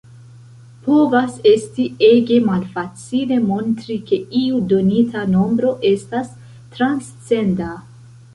Povas esti ege malfacile montri ke iu donita nombro estas transcenda.